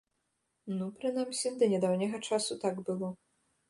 Ну, прынамсі, да нядаўняга часу так было.